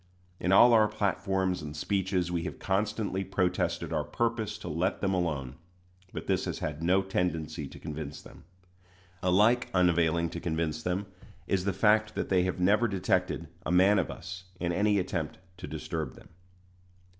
In all our platforms and speeches we have constantly protested our purpose to let them alone; but this has had no tendency to convince them. Alike unavailing to convince them is the fact that they have never detected a man of us in any attempt to disturb them.